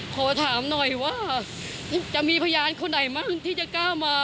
ขอถามหน่อยว่าจะมีพยานคนไหนบ้างที่จะกล้ามา